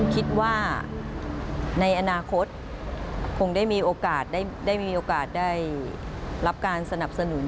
คิดว่าในอนาคตคงได้มีโอกาสได้มีโอกาสได้รับการสนับสนุน